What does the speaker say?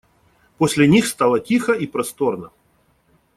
После них стало тихо и просторно.